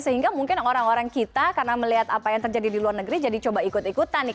sehingga mungkin orang orang kita karena melihat apa yang terjadi di luar negeri jadi coba ikut ikutan